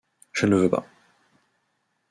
Je ne le veux pas.